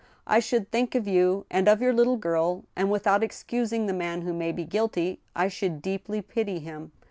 I should think of you and of your little girl, and, without excusing the man who may be guilty, I should deeply pity him.